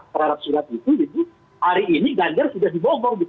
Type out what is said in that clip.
hari ini ganggar sudah dibonggong